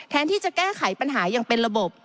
ที่จะแก้ไขปัญหาอย่างเป็นระบบ